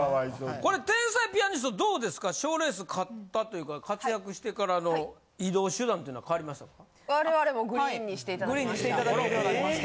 これ天才ピアニストどうですか賞レース勝ったというか活躍してからの移動手段っていうのは変わりましたか？にしていただきました。